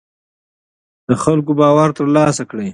د خلکو باور تر لاسه کړئ